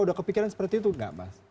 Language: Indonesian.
udah kepikiran seperti itu nggak mas